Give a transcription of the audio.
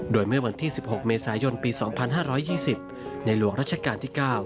โดยเมื่อวันที่๑๖เมษายนปี๒๕๒๐ในหลวงรัชกาลที่๙